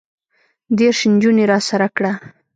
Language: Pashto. دېرش نجونې راسره کړه.